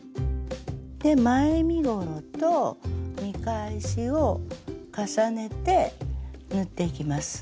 で前身ごろと見返しを重ねて縫っていきます。